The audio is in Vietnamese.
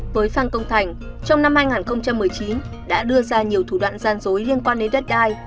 với phan công thành trong năm hai nghìn một mươi chín đã đưa ra nhiều thủ đoạn gian dối liên quan đến đất đai